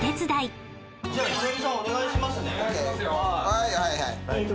はいはいはい。